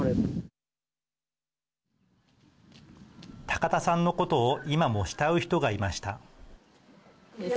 高田さんのことを今も慕う人がいました。